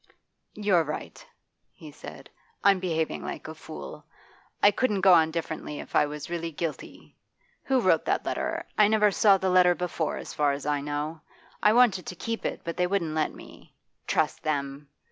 'You're right,' he said, 'I'm behaving like a fool; I couldn't go on different if I was really guilty. Who wrote that letter? I never saw the letter before, as far as I know. I wanted to keep it, but they wouldn't let me trust them!